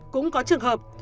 cũng có trường hợp